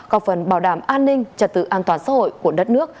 có phần bảo đảm an ninh trật tự an toàn xã hội của đất nước